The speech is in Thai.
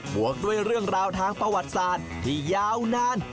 วกด้วยเรื่องราวทางประวัติศาสตร์ที่ยาวนาน